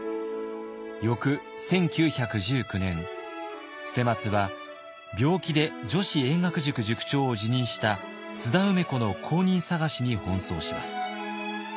翌１９１９年捨松は病気で女子英学塾塾長を辞任した津田梅子の後任探しに奔走します。